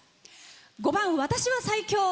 ５番「私は最強」